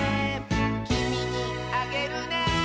「きみにあげるね」